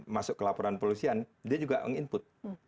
masuk ke laporan polisian dia juga meng input